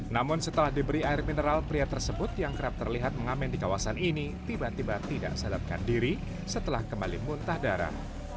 namun setelah diberi air mineral pria tersebut yang kerap terlihat mengamen di kawasan ini tiba tiba tidak sadarkan diri setelah kembali muntah darah